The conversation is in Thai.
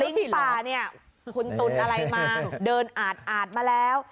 ป่าเนี่ยคุณตุ๋นอะไรมาเดินอาดมาแล้ว